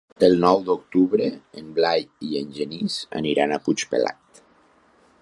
El nou d'octubre en Blai i en Genís aniran a Puigpelat.